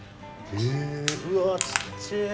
うわちっちぇ。